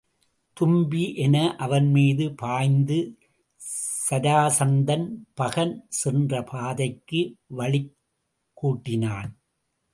தும்பி என அவன் மீது பாய்ந்து சராசந்தன், பகன் சென்ற பாதைக்கு வழிக் கூட்டினான்.